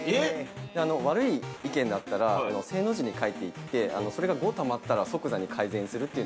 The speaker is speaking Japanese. ◆悪い意見だったら、正の字に書いていって、それが５たまったら即座に改善するという。